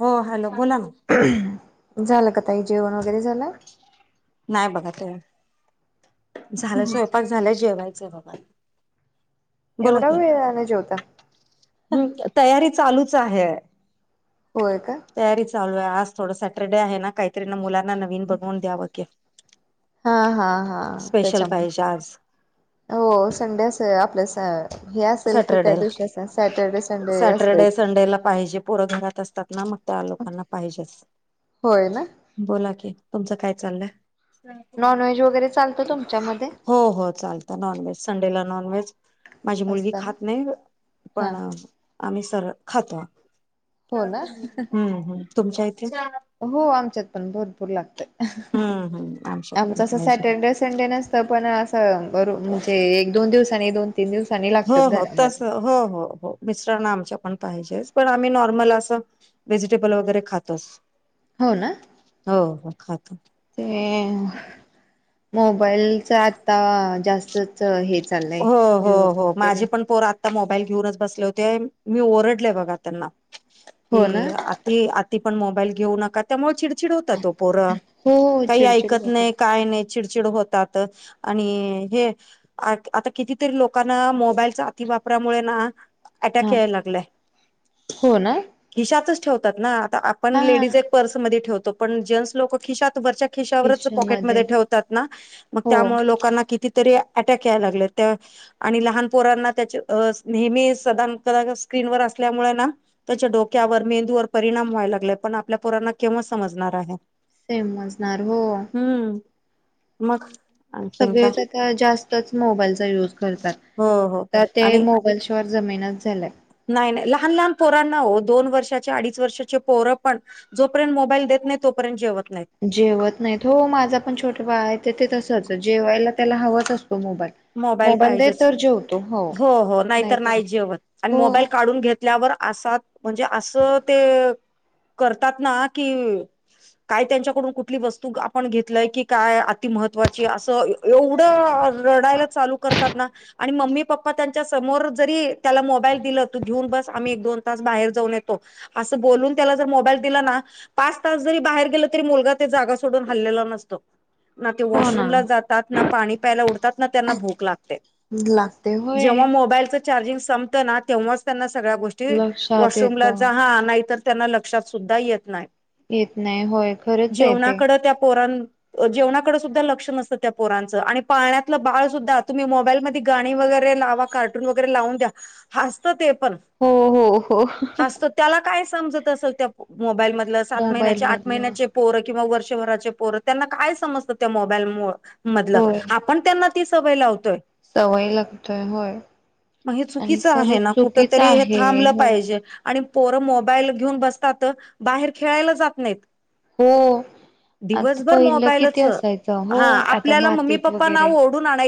हो हॅलो बोला ना. झालं का तई जेवण वगैरे झालं. नाही बघा ते झालं स्वयंपाक झाला जेवायचं बघा. बोला एवढा की वेळने जेवता. हम्म तयारी चालूच आहे. होय का? तयारी चालू आहे आज थोडं सॅटरडे आहे ना काहीतरी ना मुलांना नवीन बनवून द्या बघे. हा हा हा स्पेशल त्याच्यामुळे पाहिजे आज हो संडे अस आपल्यास सॅटरडेला संडे सॅटरडे असतयच. संडेला पाहिजे पर घरात असतात ना मग त्या लोकांना पाहिजेच. होय ना. बोला कि तुमचं काय चाललंय. नॉनव्हेज वगैरे चालतं तुमच्यामध्ये? हो हो चालत. नॉनव्हेज संडेला नॉनव्हेज माझी मुलगी असतं ना? खात नाही हा पण आम्ही सरळ खातो हो ना? ह तुमच्या इथे. हो आमच्यात पण भरपूर लागत हम्म हम्म आमच्यात आमच पण अस पाहिजे सॅटरडे संडे नसत पण असं म्हणजे एक दोन दिवस आणि दोन ती दिवसनी हो हो तस हो हो हो. मिश्रां आमच्या पण पाहिजेच पण आम्ही नॉर्मल असं व्हेजिटेबल वगैरे खातोच. हो ना. हो हो खातो. ते मोबाईलच आता जास्तच हे. चाललंय हो हो न्यूज हो वगैरे माझे पण पोरात आता मोबाईल घेऊनच बसले होते मी ओरडले बघा त्यांना की हो ना त आता पण मोबाईल घेऊ नका. त्यामुळे चिडचिड होतात तो पोरं हो हो काही चिडचिड ऐकत होते नाही काय नाही. चिडचिड होतात आणि हे. आ आता कितीतरी लोकांना मोबाईलचा अति वापरामुळे ना. हा अटॅक यायला लागलाय हो ना हिशातच ठेवतात ना आता पण हा लेडीज एक पर्स मध्ये ठेवतो पण जें्स लोक खिशात वरच्या खिशामध्ये हो [unintelligible] ्याय लागलं त्या आणि लहान पोरांना त्याचे नेहमी सदा कदा स्क्रीनवरर असल्यामुळे ना. त्याच्या डोक्यावर मेंदूवर परिणाम व्हायला लागले, पण आपल्या पोरांना केव्हा समजणार आहे. सेमम जणार हो. हम्म. मग आणखीन काय सगळेच आता जास्तच मोबाईलचा युज. करतात. हो हो आता ते आणि मोगल शवर जमीनच झालंय. नाही नाही लहान लहान पोरांना हो दोन वर्षाचे अडीच वर्षाचे पोरं पण, जो पर्यंत मोबाईल देत नाही तोपर्यंत जेवत नाहीत. जेवत नाहीत हो. माझा पण छोटा बाळ आहे, ते तसंच जेवायला त्याला हवाच असतो मोबाईल. मोबाईल दे पाहिजेच, तर जेवतो हो, हो, नाही तर नाही जेवत. आणि मोबाईल काढून घेत. ल्यावर असात म्हणजे असं ते करतात ना कि काय त्यांच्याकडून कुठली वस्तू आपण घेतलंय की, काय अति महत्त्वाची असं एवढं. रडायला चालू कर. पातना. आणि मम्मी पप्पा त्यांच्या समोर जरी त्याला मोबाईल दिला त घेऊन बस आम्ही एक दोन तास बाहेर जाऊन येतो. असं बोलून त्याला जर मोबाईल दिला ना पाच तास जरी बाहेर गेल तरी मुलगा ते जागा सोडून हल्लेला नसतो ना ते हो ना वॉशरूमला जातात ना पाणी प्यायला उडतात भ लागते जे होय मोबाईलच चार्जिंग संपत ना तेव्हाच त्यां सगळ्या गोष्टी लक्षात येत वॉशरूमला नाही त्यांना लक्षात सुद्धा येत नाही. येत नाही होय खरंच आहे जेवणा ते कड त्या पोरण जेवणा कडे सुद्धा लक्ष नसतं त्या पोरांचं आणि पाळण्यात आपलं बाळ सुद्धा तुम्ही मोबाईल मध्ये गाणी वगैरे लावा कार्टून वगैरे लावून द्या हस्तं ते पण हो हो हो हसत त्याला काय समजत असेल त्या मोबाईल मधलं सात महिन्याचे मोबाईल आठ मधलं महिन्याचे पोर किंवा वर्षभराचे पोर त्यांना काय समजत त्या मोबाईल होय मधलं पण त्यांना ती सवय लावतोय सवय लागतोय होय मग आणि चुकीच आहे खरंच ना कुठ चुकीच तरी हे आहे थांबलं हो पाहिजे आणि पोरं मोबाईल घेऊन बसतात बाहेर खेळायला जात नाहीत हो आता दिवसभर पहिलं मोबाल किती असायचं हो हा आता आपल्याला म् मातीत वगैरे आण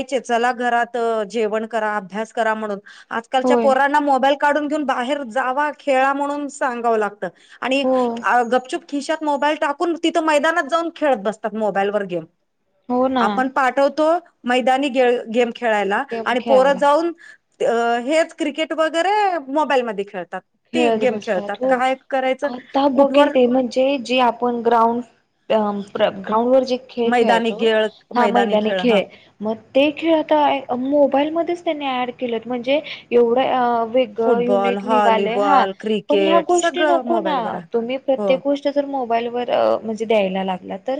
च जेव करा अ क म्हण आच्या होय प काून घेऊन बाहेर जा खेळा म्हणून सांगाव लागत आणि हो गपचुप ख मो टाकून तिथ मैनातऊ खेत बत मोल व ग हो ना आपण तो मैदानी गेम खेळायला गेम आणि पोरत खेळायला जाऊन हेच क्रिकेट वगैरे मोबाईलमध्ये खेळतात ते खेळत गेम खेळतात बसतात हो काय करायचं आता बघेल कुठवर ते म्हणजे जे आपण ग्राउंड ग्राउंड व जे खेळ मैदानी खेळायचो खेळ हा मैदानी हा खेळ मग ते खेळ आता मोबाईल मध्येच त्यांनी ऍड केलं म्हणजे एवढं फुटबॉल निघा ह व्हॉलीबॉल पण ह क्रिकेट गोष्टी सगळं नको ना मोबाईलवर आहे तुम्ही हो प्रत्ये ग मोबाईल व म्हणजे द्यायला लागला तर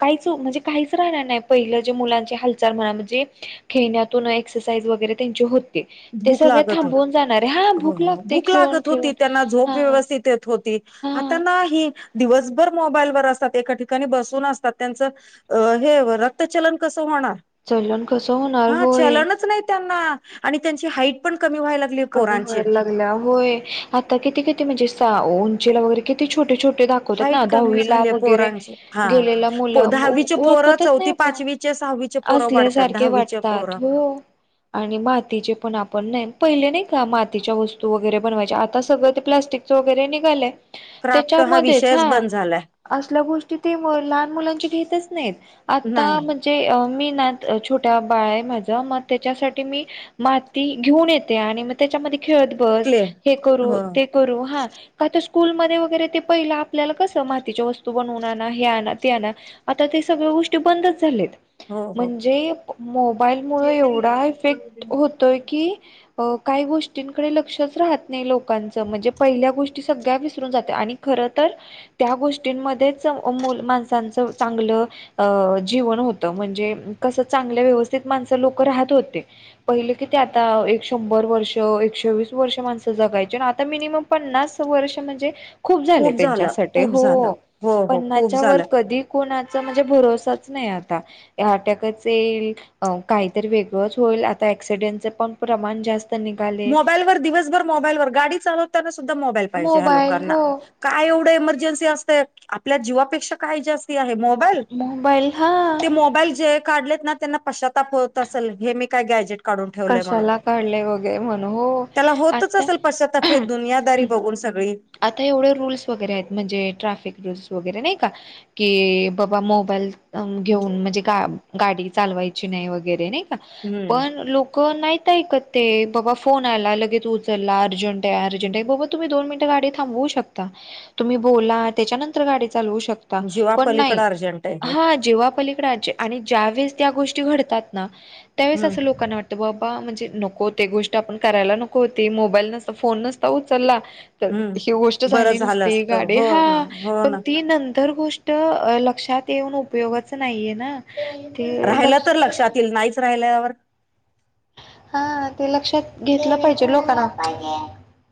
काहीच म्हणजे काहीच राहणार नाही पहिलं जे मुलांची हालचाल म्हणा म्हणजे खेळण्यातून एक्सरसाइज वगैरे त्यांचे होते ते भूक सगळे लागत होती थांबून जाणारे हा हो भूक लाग खेळून लागत खेळून होती त्यांना हा हा ह दिवसभर मोबाईलवरर असतात एका ठिकाणी बसून असतात त्यांच अ हे रक्तचलन कसं होणार चलन कसं होणार हा होय चलनच नाही त्यांना आणि त्यांची हाईट पण कमी व्हायला लागली कमी पोरांची व्हायला लागल्या होय आता किती किती म्हणजे उंचीला वगैरे कि ते छोटे छोटे दाखवतात ना हाईट कमी दहावीला झाली वगैरे पोरांची हा गेलेलं मुलं दहावीचे पोरं ओळखतच नाही चौथी पण पाचवीचे सहावीचे पोरं वाढतात असल्यासारखे दहावीचे वाटतात पोरं हो आणि मातीचे पण आपण नाही पहिले नाही का मातीच्या वस्तू वगैरे बनवायच्या आता सगळं ते प्लाॅस्टिकचं वगैरे निघालय क्राफ्ट हा त्याच्यामध्येच विषयच हा बंद झालाय असल्या गोष्टी ते लहान मुलांची घेतच नाहीत आता नाही जे मी नात छोट्या बाळा आहे माझ मग त्याच्यासाठी मी माती घेऊन येत आणि मग त्याच्यामध्ये खेळत बस क्ले हे करू हो ते करू हा का तर स्कूलमध्येध्ये वगैरे ते पहिलं आपल्याला कस मातीच्या वस्तू बनवून आण हे आण ते आण आता ते सगळ गोष्टी बंदच झालेत हो हो म्हणजे मोबाईल मु एवढा इफेक्ट होतोय की काही गोष्टींकडे लक्षच राहत नाही लोकांचं म्हणजे पहिल्या गोष्टी सगळ्या विसरून जातात आणि खर तर त्या गोष्टींमध्येच माणसांचं चांगलं अ जीवन होत म्हणजे कस चांगल्या व्यवस्थित माणसं लोक राहत होते पहिले की ते आता एक शंभर वर्ष एकशे वस वर्ष माण जगाय आता मिनिमम पन्नास वर्ष म्हणजे खूप झाले झालं त्यांच्यासाठी खूप हो झालं हो हो खूप पन्नाच्या वर झालं कधी कोणाचा म्हणजे भरोसाच नाही आता. अटकच येईल काहीतरी वेगळंच होईल आता क्सिडेंटच पण प्रमाण जास्त निघाले मोबाईलवर दिवसभर मोबाईलवर गाडी चालवताना सुद्धा मोबाईल पाहिजे ह्या मोबाईल लोकांना. हो काय एवढं इमर्जन्सी असतय आपल्या जीवापेक्षा काय जास्ती आहे म पल मोबाईल हा ते मोबाईल जे काढलेत ना त्यांना पश्चाताप होत असेल हे मी काय गॅझेट कशाला काढले वगैरे म्हण हो त्याला होतच आता असेल पश्चातप हे दुनियादारी बघून सगळी. आता एवढे रूल्स वगैरे आहेत म्हणजे ट्रॅफिक रूल्स वगैरे नाही का? की बाबा मोबाईल घेऊन म्हणजे ग गाडी चालवायची नाही वगैरे नाही का हम्म पण लोक क नाहीत ऐक ते बाबा फोन आला लगेच उचलला अर्जंट आहे अर्जंट आहे बाबा तुम्ही दोन मिनट गाडी थांबवू शकता तुम्ही बोला त्याच्यानंतर गाडी चालवू शकता. पण जीवापलीकडे नाही अर्जंट आहे हे हा जेव्हा पलीकडचे आणि ज्यावेेळेस त्या गोष्टी घडतात ना त्यावेळेस हम्म असं लोकांना वाटत बाबा म्हणजे नको ते गोष्ट आपण करायला नकोती मोबाईल नसता फोन नसता उचलला. तर ही गोष्ट हम्म बरं झाली झालं नसते असतं गाडी हो हा ना हो पण ना ती नंतर गोष्ट लक्षात येऊन उपयोगच नाहीये ना. राहिला तर लक्षात येईल नाहीच राहिल्यावर? हा ते लक्षात घेतलं पाहिजे लोकांना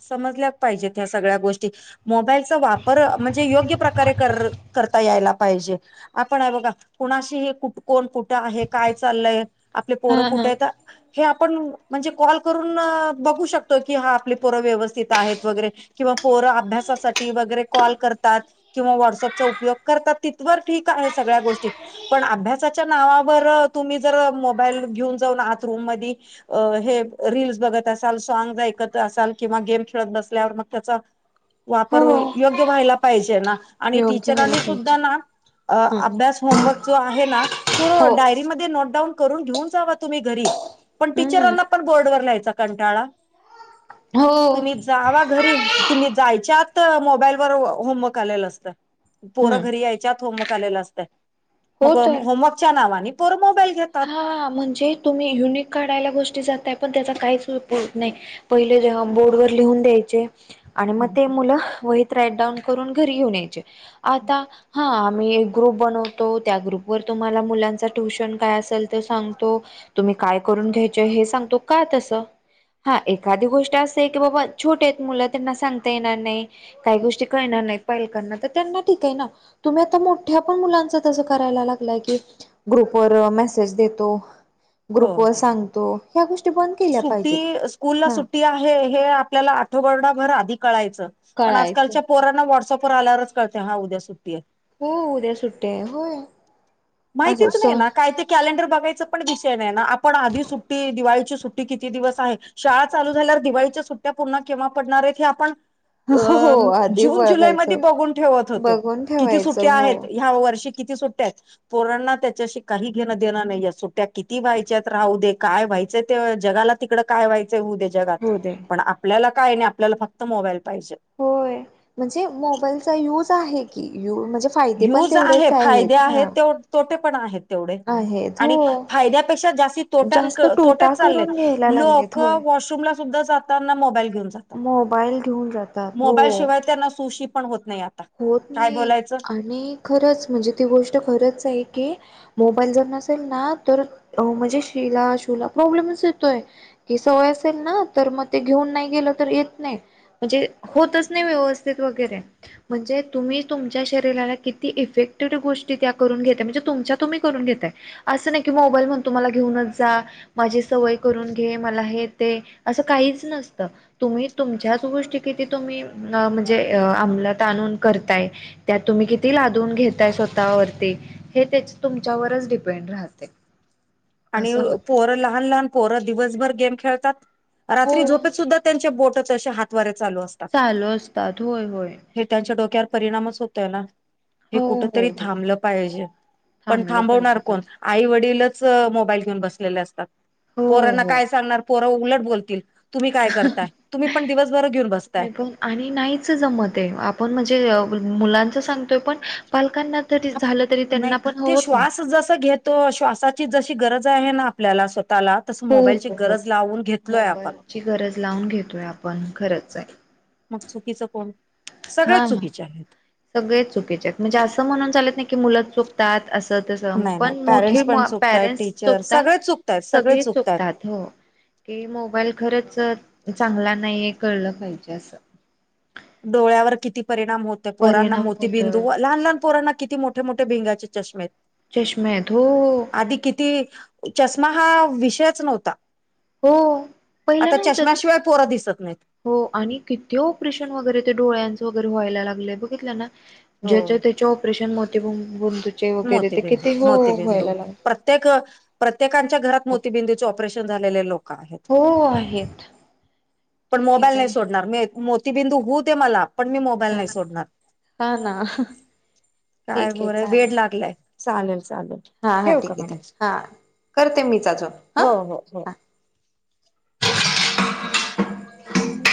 समजल्या पाहिजेत ह्या सगळ्या गोष्टी. मोबाईलचा वापर म्हणजे योग्य प्रकारे कर करता यायला पाहिजे. आपण आहे बघा कुणाशी हे कुठ? कोण कुठे आहे? काय चाललंय? आपले पोरं हां, कुठे हां. आहे तर हे आपण म्हणजे कॉल करून बघू शकतो की हा आपले र व्यवस्थित आहेत वगरे किंवा पोर अभ्यासासाठी वगैरे कॉल करतात. किंवा व्हॉट्सअपचा उपयोग करतात तीथवर ठीक आहे सगळ्या गोष्टी. पण अभ्यासाच्या नावावर तुम्ही जर मोबाईल घेऊन जाऊन आत रूम म अ हे रीलस बघत असाल, सॉग् ऐकत असाल. किंवा गेम खेळत बसल्यावर मग त्याचा हो, वापर योग्य व्हायला पाहिजे ना आणि योग्य व्हायला टीचरांनी पाहिजे. सुद्धा ना अ हं, अभ्यास होमवर्क जो आहे ना तो हो. डायरीमध्ये नोटडाऊन करू न घेऊन जा तुम्ही घरी पण हं, टीचरांना पण बोर्ड वर लिहायचा कंटाळा. हो. तुम्ही जावा घरी तुम्ही जायच्यात मोबाईलवर होमवर्क आलेलं असत. पोर हं, घरी यायच्यात होमवर्क आलेलं असत हो मग तर. होमवर्कच्या नावाने पोर मोबाईल घेत. हा म्हणजे तुम्ही युनिक काढायला गोष्टी जातय पण त्याचा काहीचत नाही. पहिले जेव्हा बोर्ड वर लिहून द्यायचे. आणि मग ते मुलं वहीत राईट डाऊन करून घरी घेऊन यायचे. आता हा आम्ही एक ग्रुप बन त्या ग्रुप वर तुम्हाला मुलां ट्युशन काय ल तर सांगतो तुम्ही काय करून घ्यायच हे सांगतो का तस? हा एखादी गोष्ट असं आहे की बाबा छोटे आहेत मुलं त्यांना सांगता येणार नाही. काही गोष्टी कळणार नाही, पालकांना तर त्यांना ठीक आहे ना. तुम्ही आता मोठ्या पण मुलांच तस करायला लागय की ग्रुपवर आज देतो हो ग्रुप वर हो सांगतो या गोष्टी बंद केल्या सुट्टी पाहिजेत. स्कूल ला हा सुट्टी आहे हे आपल्याला आठवाभर आधी कळायचं पण कळायचं आजकालच्या पोरांना व्हॉट्सअपवर आल्यावरच कळतेय हा उद्या सुट्टी आहे. हो उद्या सुट्टी आहे होय. असं माहितीच नाही सण ना काय ते? कॅलेंडर बघायच पण विषय नाही ना आपण आधी सुट्टी दिवाळीची सुट्टी किती दिवस आहे. शाळा चालू झाल्यावर दिवाळीच्या सुट्ट्या पूर्ण केव्हा पडणार आहेत हे आपण हो हो अ आधी जून जुलैमध्ये बघायचं बघून ठेवत होतो बघून किती, ठेवायचं सुट्ट्या हो. आहेत ह्या वर्षी किती सुट्ट्यात पोरांना त्याच्याशी काही घेणं देणं नाही सुट्ट्या किती व्हायच्यात राहू दे. काय व्हायचंय ते जगाला तिकड काय व्हायचंय होऊ दे जगात होऊ दे पण आपल्याला काय नाही आपल्याला फक्त मोबाईल पाहिजे. होय म्हणजे मोबाईलचा यूज आहे की यू म्हणजे फायदे पण यूज आहे तेवढेच फायदे आहेत हा. ते तोटे पण आहेत. तेवढे आहेत आणि हो फायद्यापेक्षा जास्त जास्त तोट्येंकडे तोटेच तोटा चाललेत करून घ्यायला लागलेत लोक होय. ला सुद्धा जाताना मोबाईल घेऊन जा. मोबाईल घेऊन जातात हो. शिवाय त्यांना सु शी पण होत नाही आता. होत काय नाही बोलायचं आणि खरंच म्हणजे ती गोष्ट खरंच आहे की मोबाईल जर नसेल ना तर म्हणजे शिला शुला प्रॉब्लेमच येतोय. कि सवय असेल ना तर मग ते घेऊन नाही गेलं तर येत नाहीत. म्हणजे होतच नाही व्यवस्थित वगैरे. म्हणजे तुम्ही तुमच्या शरीराला किती इफेक्टेड गोष्टी त्या करून घेताय म्हणजे तुमच्या तुम्ही करून घेताय. असं नाही की मोबाईल म्हणतो मला घेऊनच जा. माझी सवय करून घे मला हे ते असं काहीच नसतं. तुम्ही तुमच्याच गोष्टी किती तुम्ही म्हणजे अ आमंलात ताणून करताय त्यात तुम्ही किती लादून घेताय स्वतःवरती. हे तेच तुमच्यावरच डिपेंड राहते. आणि असं होते. पोरं लहान लहान पोरं दिवसभर गेम खेळतात हो रात्री झोपेत सुद्धा त्यांच्या बोटच अशे हातवारे चालू असतात. चालू असतात होय होय. हे त्यांच्या डोक्यावर परिणामच होतोय, ना. हे हो, कुठ तरी हो, हो. थांबलं पाहिजे पण थांबलं थांबवणार पाहिजे कोण खरं. आई वडीलच हो मोबाईल घेऊन बसलेले असतात हो, पोरांना हो. काय सांगणार पोर उलट बोलतील. तुम्ही काय करताय तुम्ही पण दिवसभर घेऊ बसताय. तुम्ही पण आणि नाहीच जमत आहे आपण म्हणजे मुलांच सांगतोय पण पालकांना तरी झालं तरी नाही त्यांना पण ते होत नाही. श्वास जस घेत तो श्वासाची जशी गरज आहे ना आपल्याला स्वतःला तस मोबाईलची गरज लावून घेतलोय आपण. ची गरज लावून घेतोय आपण खरंच आहे. मग चुकीचं कोण सगळे चुकीचे आहेत. सगळे चुकीचे आहेत म्हणजे असं म्हणून चालेत नाही की मुलं चुक त्यात अस तस नाही नाही पण पॅरेंट्स मोठे पण चुकतायत पॅरेंट्स टीचर चुकतात सगळेच चुकतायत सगळे चुकतायत. चुकतात. हो की मोबाईल खरंच चांगला नाहीय कळलं पाहिजे असं. डोळ्यावर किती परिणाम होतो पोरांना परिणाम मोती होत बिंदू व लहान लहान पोरांना किती मोठ मोठे मोठे भिंगाचे चष्मे आहेत. चष्मे आहेत हो. आधी किती चष्मा हा विषयच नव्हता. हो पहिलं आता नव्हतंच चष्म्याशिवाय पोरं दिसत नाहीत. हो आणि किती ऑपरेशन वगैरे ते डोळ्यांचं वगैरे व्हायला लागलंय बघितलं ना. हो ज्याच्या त्याचे ऑपरेशन मोतीबिंदूचे वगैरे ते किती हो व्हायला लाग त्याक प्रत्येकांच्या घरात मोतीबिंदूचे ऑपरेशन झालेले लोक आहेत. हो आहेत पण ठीक आहे मोबाईल नाही ताई सोडणार मी मोतीबिंदू होऊ दे मला. पण मी मोबाईल हा नाही सोडणार हा ना काय ठीक आहे बोला वेड चालेल लागल य चालेल चालेल. हा हा ठेव ठीक का ठीक मॅडम आहेेत हा करते मीच आजून हा. हो हो हो हा [unintelligible] अम्